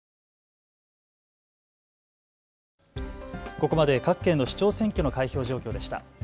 ここまで各県の市長選挙の開票状況でした。